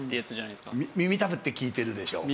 耳たぶって聞いてるでしょう？